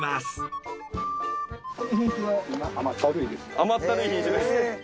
甘ったるい品種で。